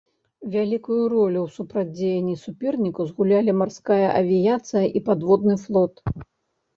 Вялікую ролю ў супрацьдзеянні суперніку згулялі марская авіяцыя і падводны флот.